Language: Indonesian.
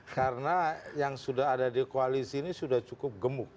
karena yang sudah ada di koalisi ini sudah cukup gemuk